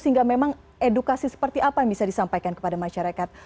sehingga memang edukasi seperti apa yang bisa disampaikan kepada masyarakat